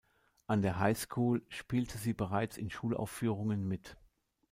An der High School spielte sie bereits in Schulaufführungen mit.